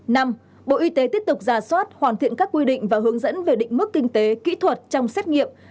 đảm soát hoàn thiện các quy định và hướng dẫn về định mức kinh tế kỹ thuật trong xét nghiệm